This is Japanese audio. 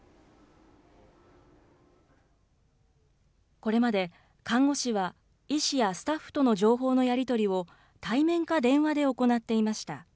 これまで、看護師は医師やスタッフとの情報のやり取りを対面か電話で行っていました。